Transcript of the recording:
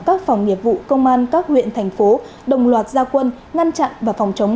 các phòng nghiệp vụ công an các huyện thành phố đồng loạt gia quân ngăn chặn và phòng chống